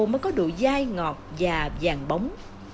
mới có độ dai ngọt và vàng bóng